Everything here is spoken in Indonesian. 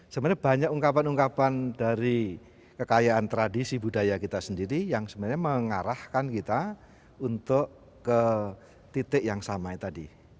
sebenarnya banyak ungkapan ungkapan dari kekayaan tradisi budaya kita sendiri yang sebenarnya mengarahkan kita untuk ke titik yang sama tadi